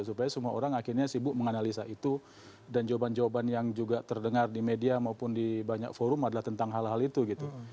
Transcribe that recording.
supaya semua orang akhirnya sibuk menganalisa itu dan jawaban jawaban yang juga terdengar di media maupun di banyak forum adalah tentang hal hal itu gitu